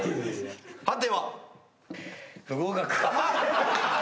判定は？